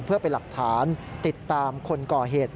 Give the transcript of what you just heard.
เพื่อเป็นหลักฐานติดตามคนก่อเหตุ